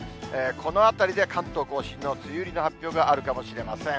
このあたりで関東甲信の梅雨入りの発表があるかもしれません。